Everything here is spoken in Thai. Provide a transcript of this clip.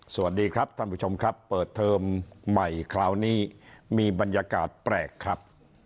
สวัสดีครับท่านผู้ชมครับเปิดเทอมใหม่คราวนี้มีบรรยากาศแปลกครับ